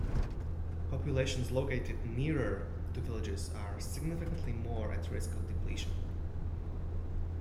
Populations located nearer to villages are significantly more at risk of depletion.